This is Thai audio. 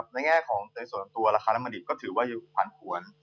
ในแง่ของในส่วนน้ำตัวราคาน้ำมันดิบก็ถือว่าอยู่พันธุ์หวน